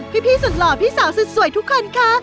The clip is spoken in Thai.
พี่สุดหล่อพี่สาวสุดสวยทุกคนค่ะ